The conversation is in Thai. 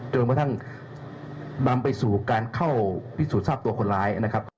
จนกระทั่งนำไปสู่การเข้าพิสูจน์ทราบตัวคนร้ายนะครับ